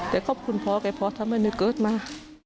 แต่ขอบคุณพ่อแกพ่อทำให้หนูเกิดมา